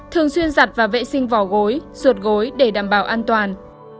thường xuyên giặt và vệ sinh vỏ gối sụt gối để đảm bảo an toàn